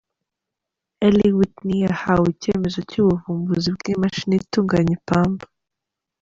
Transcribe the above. Eli Whitney yahawe icyemezo cy’ubuvumbuzi bw’imashini itunganya ipamba.